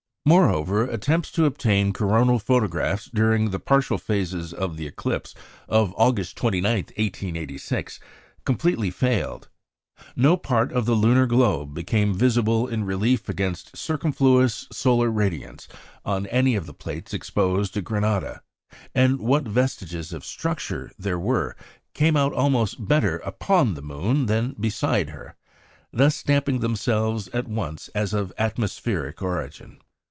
Moreover, attempts to obtain coronal photographs during the partial phases of the eclipse of August 29, 1886, completely failed. No part of the lunar globe became visible in relief against circumfluous solar radiance on any of the plates exposed at Grenada; and what vestiges of "structure" there were, came out almost better upon the moon than beside her, thus stamping themselves at once as of atmospheric origin.